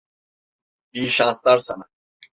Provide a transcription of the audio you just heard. İyi şanslar sana.